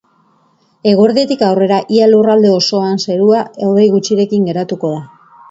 Eguerditik aurrera ia lurralde osoan zerua hodei gutxirekin geratuko da.